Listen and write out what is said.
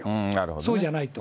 そうじゃないと。